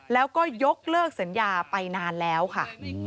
แล้วก็ยกเลิกสัญญาไปนานแล้วค่ะ